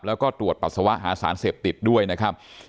แล้วก็ตรวจปัสสาวะหาสารเสพติดด้วยนะครับ